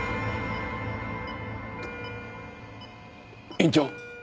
院長？